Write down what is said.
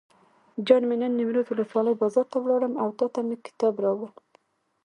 جان مې نن نیمروز ولسوالۍ بازار ته لاړم او تاته مې کتاب راوړل.